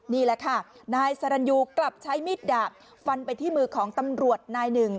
นี่แหละค่ะนายสรรยูกลับใช้มิดดาบฟันไปที่มือของตำรวจนายหนึ่ง